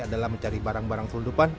adalah mencari barang barang selundupan